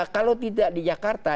kalau tidak di jakarta